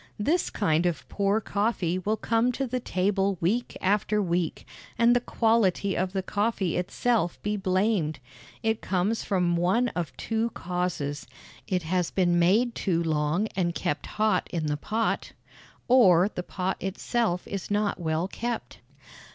This kind of poor coffee will come to the table week after week, and the quality of the coffee itself be blamed. It comes from one of two causes: It has been made too long and kept hot in the pot, or the pot itself is not well kept.